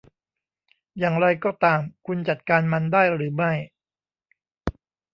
อย่างไรก็ตามคุณจัดการมันได้หรือไม่